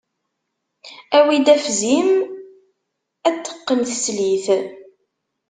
Awi-d afzim, ad t-teqqen teslit.